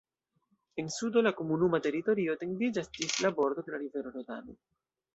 En sudo la komunuma teritorio etendiĝas ĝis la bordo de la rivero Rodano.